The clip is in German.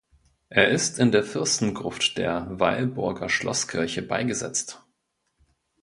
Er ist in der Fürstengruft der Weilburger Schlosskirche beigesetzt.